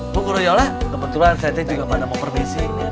bu guru yola kebetulan saya teh juga pada mau permisi